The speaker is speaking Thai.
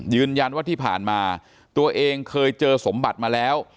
ยืนยันว่าที่ผ่านมาตัวเองเคยเจอสมบัติมาแล้ว